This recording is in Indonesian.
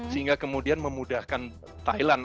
sehingga kemudian memudahkan thailand